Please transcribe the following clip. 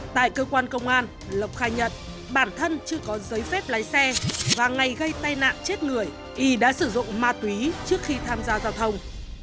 tại cơ quan công an lộc khai nhận bản thân chưa có giấy phép lái xe và ngày gây tai nạn chết người y đã sử dụng ma túy trước khi tham gia giao thông